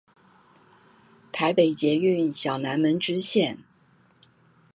台北捷運小南門支線